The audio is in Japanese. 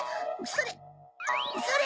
それそれ！